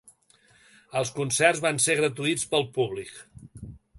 Els concerts van ser gratuïts pel públic.